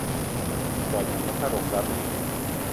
Ngo yama mekad wo ngam i?